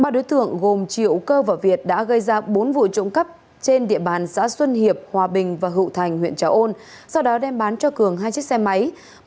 ba đối tượng gồm triệu cơ và việt đã gây ra bốn vụ trộm cắp trên địa bàn xã xuân hiệp hòa bình và hữu thành huyện trà ôn sau đó đem bán cho cường hai chiếc xe máy